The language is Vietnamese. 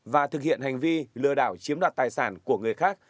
và thực hiện hành vi lừa đảo chiếm đoạt tài sản của người khác